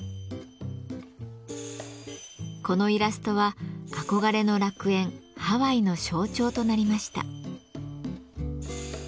このイラストは憧れの楽園ハワイの象徴となりました。